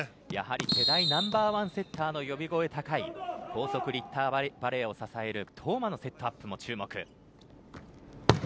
世代ナンバーワンセッターの呼び声高い高速立体コンビバレーを支える當間の活躍も注目。